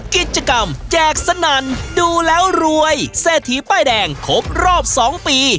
กิจกรรมแจกสนั่นดูแล้วรวยเศรษฐีป้ายแดงครบรอบ๒ปี